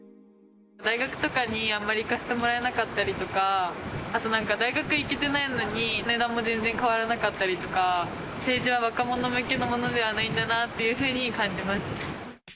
大学とかにあんまり行かせてもらえなかったりとか、あと、なんか大学行けてないのに、値段も全然変わらなかったりとか、政治は若者向けのものではないんだなっていうふうに感じました。